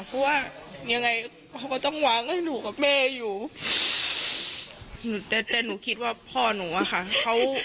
เพราะว่ายังไงเขาก็ต้องวางให้หนูกับแม่อยู่แต่แต่หนูคิดว่าพ่อหนูอะค่ะ